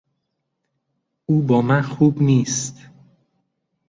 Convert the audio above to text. او با من خوب نیست.